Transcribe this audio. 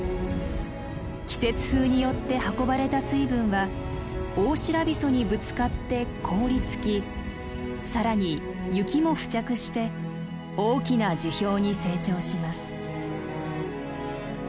季節風によって運ばれた水分はオオシラビソにぶつかって凍りつき更に雪も付着して大きな樹氷に成長します。